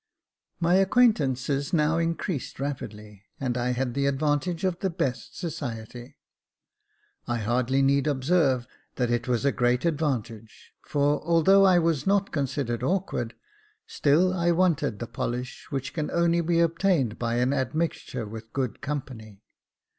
My acquaintances now increased rapidly, and I had the advantage of the best society. I hardly need observe that it was a great advantage ; for, although I was not considered awkward, still I wanted that polish which can only be obtained by an admixture with good company.